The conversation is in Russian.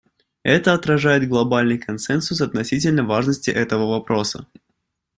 Это отражает глобальный консенсус относительно важности этого вопроса.